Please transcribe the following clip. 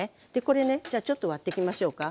これねじゃあちょっと割ってきましょうか。